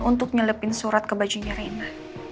untuk nyelipin surat ke bajunya rina